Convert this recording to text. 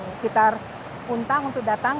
sekitar untang untuk datang